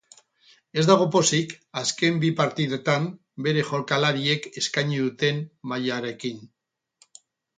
Ez dago pozik azken bi partidetan bere jokalariek eskaini duten mailarekin.